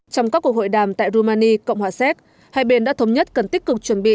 trong các cuộc hội đàm tại rumani cộng hòa séc hai bên đã thống nhất cần tích cực chuẩn bị